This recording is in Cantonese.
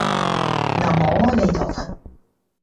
喃嘸阿彌陀佛